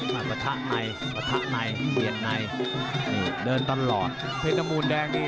มาประทะในประทะในเหยียดในห่มนี่เดินตลอดเพศนมูลแดงนี่